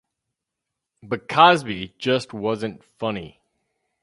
But Cosby just wasn't funny.